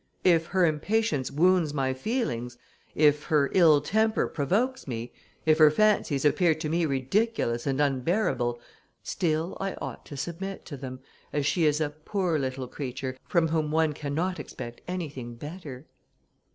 If her impatience wounds my feelings, if her ill temper provokes me, if her fancies appear to me ridiculous and unbearable, still I ought to submit to them, as she is a poor little creature, from whom one cannot expect anything better.'"